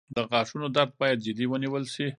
• د غاښونو درد باید جدي ونیول شي.